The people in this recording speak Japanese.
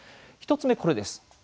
１つ目、これです。